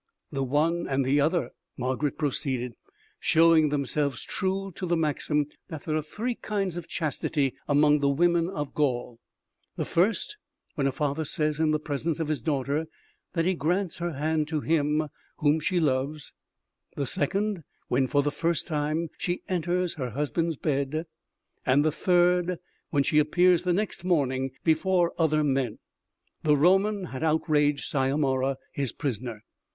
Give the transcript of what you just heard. "The one and the other," Margarid proceeded, "showed themselves true to the maxim that there are three kinds of chastity among the women of Gaul: The first, when a father says in the presence of his daughter that he grants her hand to him whom she loves; the second, when for the first time she enters her husband's bed; and the third, when she appears the next morning before other men. The Roman had outraged Syomara, his prisoner.